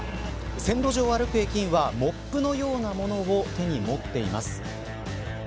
線路上を歩く駅員はモップのようなものを手に持っています。